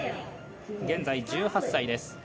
現在１８歳です。